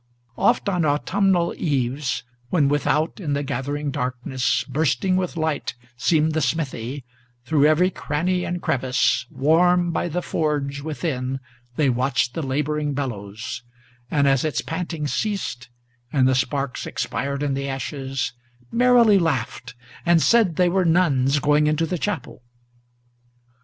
Oft on autumnal eves, when without in the gathering darkness Bursting with light seemed the smithy, through every cranny and crevice, Warm by the forge within they watched the laboring bellows, And as its panting ceased, and the sparks expired in the ashes, Merrily laughed, and said they were nuns going into the chapel.